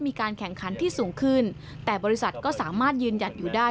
มีการแข่งขันที่สูงขึ้นแต่บริษัทก็สามารถยืนหยัดอยู่ได้